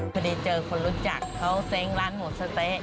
พอดีเจอคนรู้จักเขาเซ้งร้านหมูสะเต๊ะ